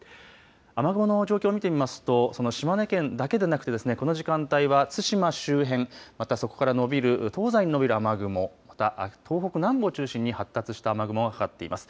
雨雲の状況を見てみますとその島根県だけでなくてこの時間帯は対馬周辺、またそこから延びる東西に延びる雨雲また東北南部を中心に発達した雨雲がかかっています。